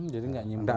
jadi tidak nyimbang